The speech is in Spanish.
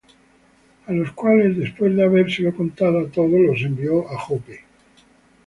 A los cuales, después de habérselo contado todo, los envió á Joppe.